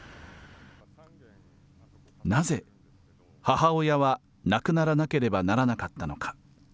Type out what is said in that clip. なぜ、母親は亡くならなければならなかったのか。